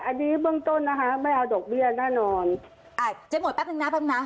อันนี้เบื้องต้นนะคะไม่เอาดอกเบี้ยแน่นอนอ่าเจ๊หมดแป๊บนึงนะแป๊บนะ